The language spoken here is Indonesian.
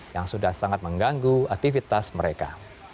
yang sudah sangat mengganggu aktivitas mereka